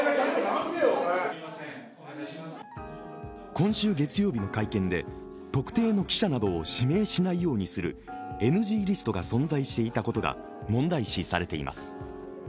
今週月曜日の会見で特定の記者などを指名しないようにするＮＧリストが存在していたことが問題視されています。